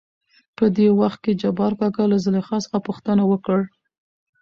.په دې وخت کې جبارکاکا له زليخا څخه پوښتنه وکړ.